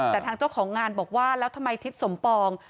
แต่ทางเจ้าของงานบอกว่าแล้วทำไมทิศสมปอง